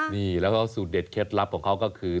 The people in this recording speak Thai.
นี่แล้วก็สูตรเด็ดเคล็ดลับของเขาก็คือ